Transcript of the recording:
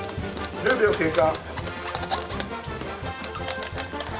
２０秒経過。